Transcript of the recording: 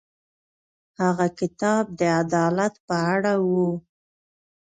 هغه کتاب د عدالت په اړه و.